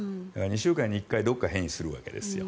２週間に１回どこか変異するわけです。